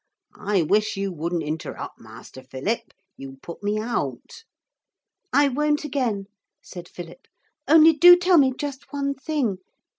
I wish you wouldn't interrupt, Master Philip. You put me out.' 'I won't again,' said Philip. 'Only do tell me just one thing.